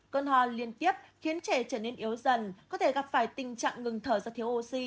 cơn ho liên tiếp khiến trẻ trở nên yếu dần có thể gặp phải tình trạng ngừng thở do thiếu oxy